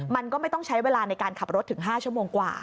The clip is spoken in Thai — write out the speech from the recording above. มันก็ไม่ต้องใช้เวลาในการขับรถถึง๕ชั่วโมงกว่า